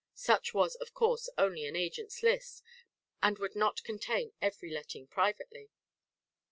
Such was of course only an agent's list, and would not contain every letting privately.